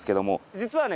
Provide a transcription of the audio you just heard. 実はね